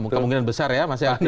kemungkinan besar ya mas yalcung